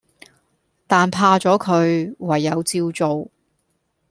但怕左佢，唯有照做